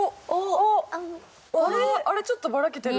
あれちょっとばらけてる。